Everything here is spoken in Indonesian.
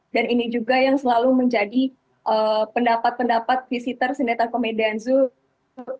dan ini juga yang selalu menjadi pendapat pendapat visitor senetar ke medan zoo